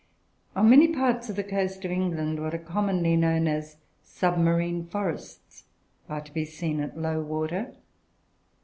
On many parts of the coast of England, what are commonly known as "submarine forests" are to be seen at low water.